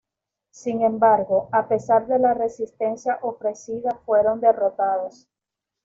Sin embargo, a pesar de la resistencia ofrecida fueron derrotados.